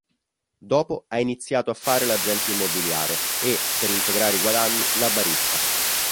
Dopo ha iniziato a fare l'agente immobiliare e, per integrare i guadagni, la barista.